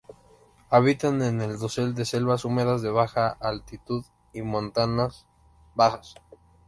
Habitan en el dosel de selvas húmedas de baja altitud y montanas bajas.